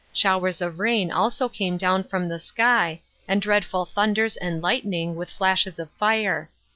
Showers of rain also came down from the sky, and dreadful thunders and lightning, with flashes of fire.